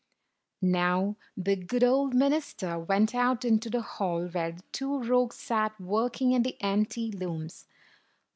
Now the good old minister went out into the hall where the two rogues sat working at the empty looms.